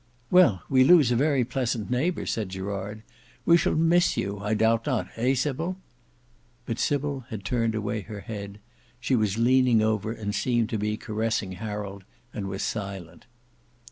"Well we lose a very pleasant neighbour," said Gerard; "we shall miss you, I doubt not, eh, Sybil?" But Sybil had turned away her head; she was leaning over and seemed to be caressing Harold and was silent.